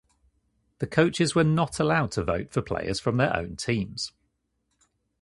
The coaches were not allowed to vote for players from their own teams.